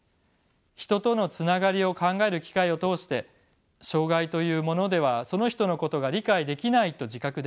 人とのつながりを考える機会を通して障がいというものではその人のことが理解できないと自覚できる。